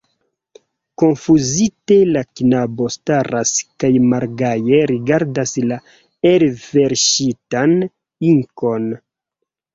Konfuzite la knabo staras kaj malgaje rigardas la elverŝitan inkon.